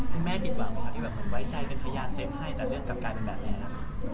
คุณแม่ติดหวังไหมครับที่แบบเหมือนไว้ใจเป็นพยายามเซฟให้แต่เรื่องกลับกลายเป็นแบบแน่นะ